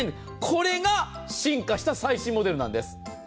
これが進化した最新モデルなんです。